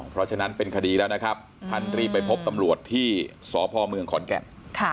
เพราะฉะนั้นเป็นคดีแล้วนะครับท่านรีบไปพบตำรวจที่สพเมืองขอนแก่น